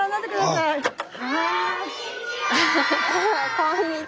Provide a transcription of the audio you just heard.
こんにちは。